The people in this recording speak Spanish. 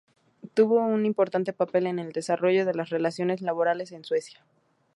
Tuvo un importante papel en el desarrollo de las relaciones laborales en Suecia.